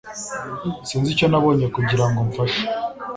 Sinzi icyo nakora kugirango mfashe